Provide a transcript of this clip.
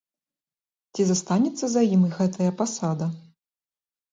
Ці застанецца за ім гэтая пасада?